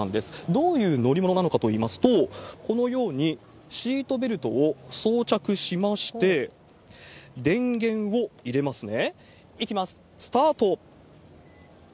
どういう乗り物なのかといいますと、このようにシートベルトを装着しまして、電源を入れますね。